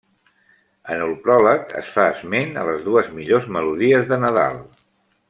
En el pròleg es fa esment a les dues millors melodies de Nadal.